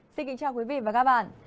xin kính chào quý vị và các bạn